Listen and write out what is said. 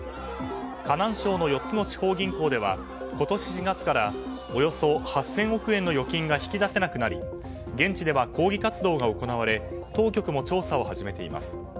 河南省の４つの地方銀行では今年４月からおよそ８０００億円の預金が引き出せなくなり現地では抗議活動が行われ当局も調査を始めています。